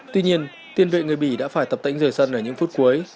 tuy nhiên tiên vệ người bỉ đã phải tập tĩnh rời sân ở những phút cuối